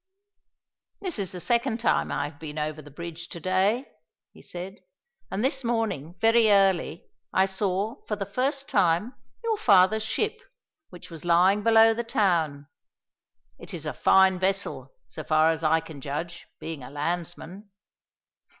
"This is the second time I have been over the bridge to day," he said, "and this morning, very early, I saw, for the first time, your father's ship, which was lying below the town. It is a fine vessel, so far as I can judge, being a landsman."